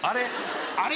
あれ？